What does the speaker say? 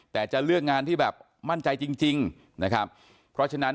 แต่จะเลือกงานที่แบบมั่นใจจริงจริงนะครับเพราะฉะนั้น